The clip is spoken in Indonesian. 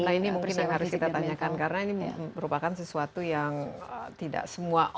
nah ini mungkin yang harus kita tanyakan karena ini merupakan sesuatu yang tidak semua orang